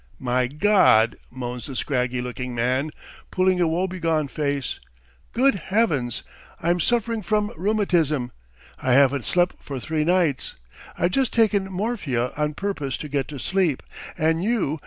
"My God!" moans the scraggy looking man, pulling a woebegone face. "Good Heavens! I'm suffering from rheumatism. ... I haven't slept for three nights! I've just taken morphia on purpose to get to sleep, and you